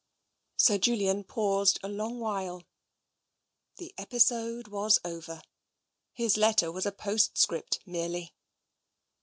Sir Julian paused for a long while. The episode was over. His letter was a postscript merely.